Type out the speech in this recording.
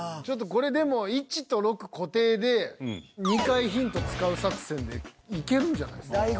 ちょっとこれでも１と６固定で２回ヒント使う作戦でいけるんじゃないですか？